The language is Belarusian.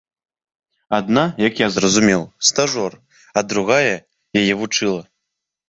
Адна, як я зразумеў, стажор, а другая яе вучыла.